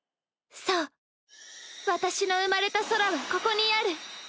そう私の生まれた空はここにある。